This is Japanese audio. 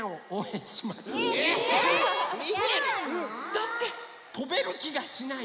だってとべるきがしない。